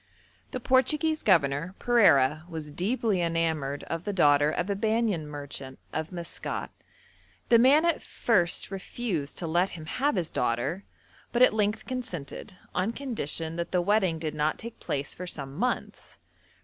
The Portuguese governor, Pereira, was deeply enamoured of the daughter of a Banyan merchant of Maskat; the man at first refused to let him have his daughter, but at length consented, on condition that the wedding did not take place for some months.